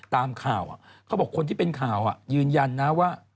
ตามข่าวเขาบอกคนที่เป็นข่าวยืนยันนะว่า